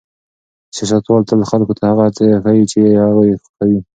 سیاستوال تل خلکو ته هغه څه ښيي چې هغوی یې خوښوي.